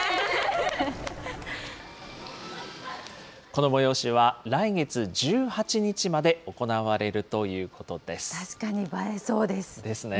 この催しは、来月１８日まで行われるということです。ですね。